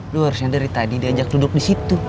lo harusnya dari tadi diajak duduk disitu